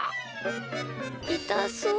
いたそう。